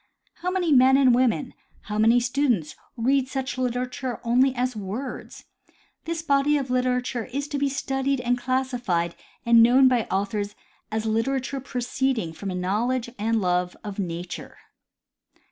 How many men and women, how many students, read such literature only as words. This body of literature is to be studied and classified and known by authors as literature proceeding from a knowledge and love of nature.